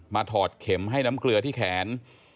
ถอดเข็มให้น้ำเกลือที่แขน